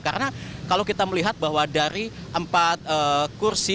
karena kalau kita melihat bahwa dari empat kursi